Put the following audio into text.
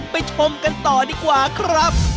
ชมกันต่อดีกว่าครับ